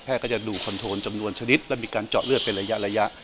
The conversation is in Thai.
แพทย์ก็จะดูคอนโทรลจำนวนชนิดและมีการเจาะเลือดไประยะ